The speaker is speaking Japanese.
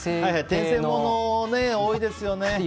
転生もの、多いですよね。